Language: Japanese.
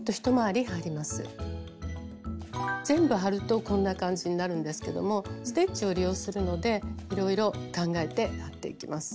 全部貼るとこんな感じになるんですけどもステッチを利用するのでいろいろ考えてやっていきます。